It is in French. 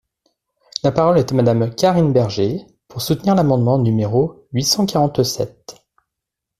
La parole est à Madame Karine Berger, pour soutenir l’amendement numéro huit cent quarante-sept.